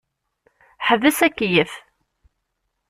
Ḥbes akeyyef.